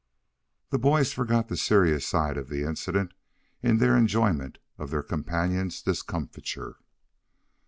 The boys forgot the serious side of the incident in their enjoyment of their companion's discomfiture.